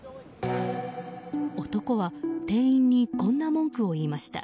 男は店員にこんな文句を言いました。